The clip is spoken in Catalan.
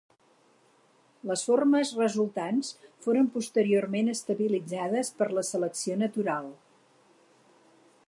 Les formes resultants foren posteriorment estabilitzades per la selecció natural.